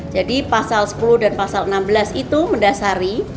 jadi pasal sepuluh dan pasal enam belas itu mendasari